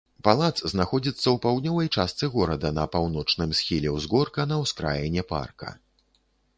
Палац знаходзіцца ў паўднёвай частцы горада на паўночным схіле ўзгорка, на ўскраіне парка.